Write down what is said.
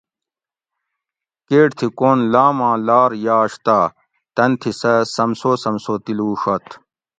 کیٹ تھی کون لاماں لار یاش تہ تن تھی سہ سمسو سمسو تِلوڛوت